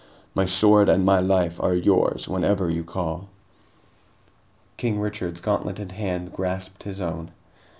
My sword and my life are yours whenever you call." King Richard's gauntleted hand grasped his own.